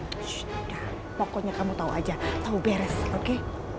sudah pokoknya kamu tau aja tau beres oke